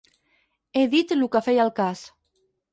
He dit lo que feia el cas.